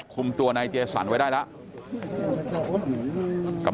กลุ่มตัวเชียงใหม่